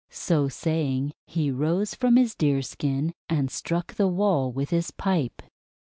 So saying, he rose from his Deerskin, and struck the wall with his pipe.